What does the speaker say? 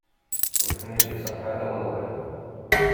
Ur ten-id-iṣaḥ ara wawal.